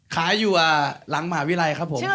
ขายอยู่อ่ะหลังหมาวิไรครับผม